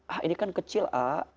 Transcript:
ah ini kan kecil a